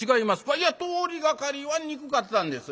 「いや通りがかりはにくかったんです。